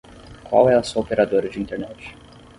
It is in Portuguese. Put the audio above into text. Qual é a sua operadora de internet?